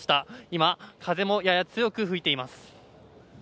今、風もやや強く吹いています。